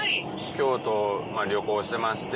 京都をまぁ旅行してまして。